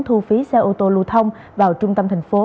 thu phí xe ô tô lưu thông vào trung tâm thành phố